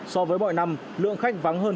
so với mọi năm lượng khách vắng hơn